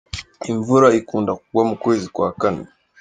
Imvura ikunda kugwa mu kwezi kwa kane.